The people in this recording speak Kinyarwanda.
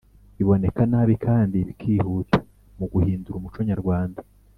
biboneka nabi kandi bikihuta muguhindura umuco nyarwanda.